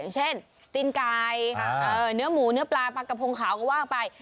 เช่นตีนไก่เนื้อหมูเนื้อปลาปลากระพงขาวก็ว่าไป